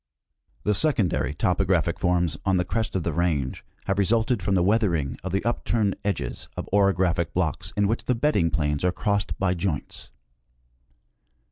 The secondary topographic forms on the crest of the range have resulted from the weathering of the upturned edges of orographic blocks in which the bedding planes are crossed by joints.